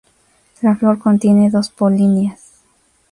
La flor contiene dos polinias.